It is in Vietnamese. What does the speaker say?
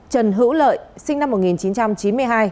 trần hữu lợi sinh năm một nghìn chín trăm chín mươi hai